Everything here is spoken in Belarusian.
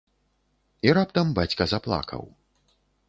І раптам бацька заплакаў.